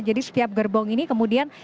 jadi setiap gerbong ini kemudian